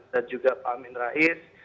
dan juga pak amin rais